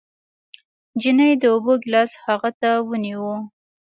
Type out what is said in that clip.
نجلۍ د اوبو ګېلاس هغه ته ونيو.